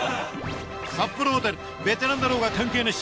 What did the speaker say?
札幌小樽ベテランだろうが関係なし。